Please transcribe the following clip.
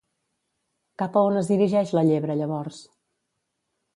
Cap a on es dirigeix la llebre llavors?